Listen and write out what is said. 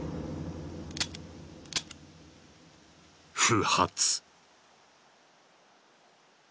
不発。